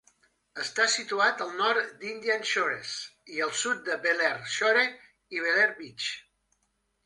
Està situat al nord d'Indian Shores i als sud de Belleair Shore i Belleair Beach.